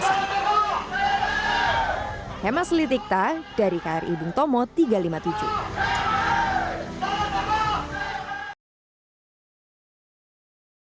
sang konferensi yang ada di kepala pihak penjaga keperanman ini positif dalam bit données kekuasaannya